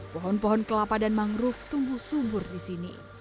pohon pohon kelapa dan mangrove tumbuh subur di sini